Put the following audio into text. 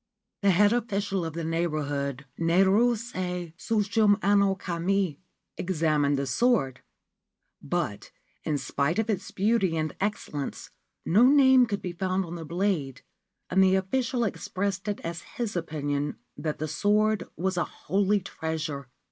The head official of the neighbourhood, Naruse Tsushimanokami, examined the sword ; but, in spite of its beauty and excellence, no name could be found on the blade, and the official expressed it as his opinion that the sword was a holy treasure.